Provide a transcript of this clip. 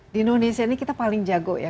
di indonesia ini kita paling jago ya